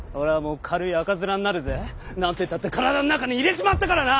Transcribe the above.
何てったって体ん中に入れちまったからな！